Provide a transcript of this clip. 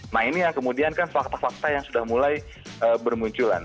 nah ini yang kemudian kan fakta fakta yang sudah mulai bermunculan